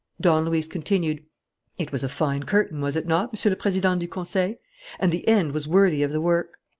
Don Luis continued: "It was a fine curtain, was it not, Monsieur le Président du Conseil? And the end was worthy of the work.